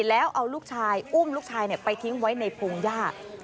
แล้วเอาลูกชายอุ้มลูกชายไปทิ้งไว้ในพงหญ้า